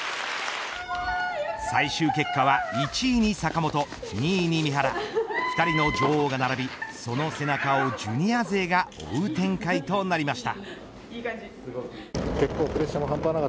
最終結果は１位に坂本２位に三原、２人の女王が並びその背中をジュニア勢が追う展開となりました。